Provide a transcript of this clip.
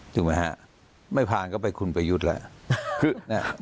ถูกไหมฮะไม่ผ่านก็ไปคุณประยุทธ์แล้ว